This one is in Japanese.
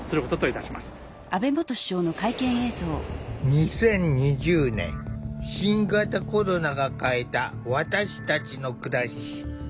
２０２０年新型コロナが変えた私たちの暮らし。